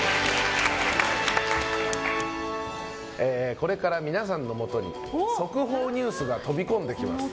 これから皆さんのもとに速報ニュースが飛び込んできます。